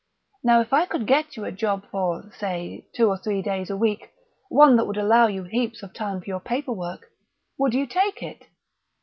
Now, if I could get you a job, for, say, two or three days a week, one that would allow you heaps of time for your proper work would you take it?"